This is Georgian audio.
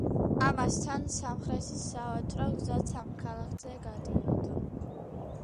ამასთან სამხრეთის სავაჭრო გზაც ამ ქალაქზე გადიოდა.